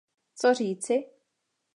Co říci?